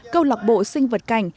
câu lạc bộ sinh vật cảnh